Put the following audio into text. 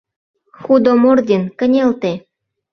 Худомордин, кынелте.